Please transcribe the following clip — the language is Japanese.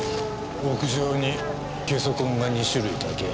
屋上にゲソ痕が２種類だけ。